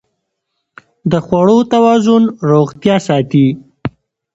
د خوړو توازن روغتیا ساتي.